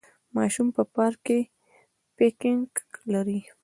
ماشوم په پارک کې پکنک لري.